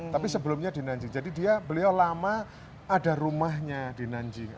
tapi sebelumnya di nanjing jadi beliau lama ada rumahnya di nanjing